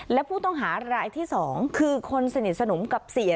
และผู้ต้องหารายที่๒คือคนสนิทสนมกับเสีย